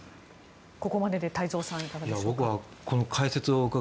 ここまでで太蔵さんいかがでしょうか。